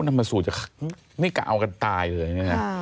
คุณธรรมสูตรจะไม่กล้าเอากันตายเลย